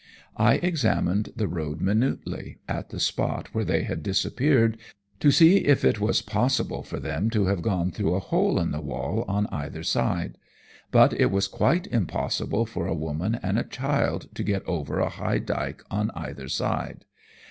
I examined the road minutely, at the spot where they had disappeared, to see if it was possible for them to have gone through a hole in the wall on either side; but it was quite impossible for a woman and a child to get over a high dyke on either side.